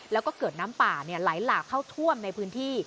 แล้วก็เกิดน้ำป่าไหลหลากเข้าท่วมในพื้นที่